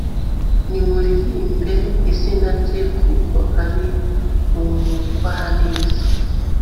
nimuririmbe izina rye, kuko ari umugwaneza